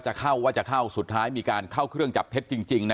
เข้าว่าจะเข้าสุดท้ายมีการเข้าเครื่องจับเท็จจริงนะ